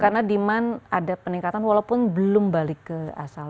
karena demand ada peningkatan walaupun belum balik ke asal